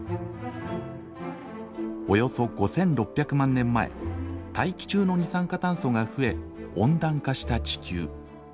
およそ５，６００万年前大気中の二酸化炭素が増え温暖化した地球。